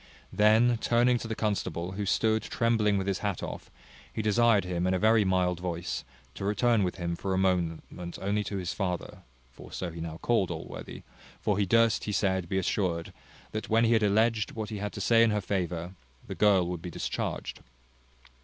Then turning to the constable, who stood trembling with his hat off, he desired him, in a very mild voice, to return with him for a moment only to his father (for so he now called Allworthy); for he durst, he said, be assured, that, when he had alledged what he had to say in her favour, the girl would be discharged.